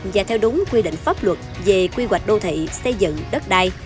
và theo đúng quy định pháp luật về quy hoạch đô thị xây dựng đất đai